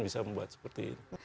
bisa membuat seperti ini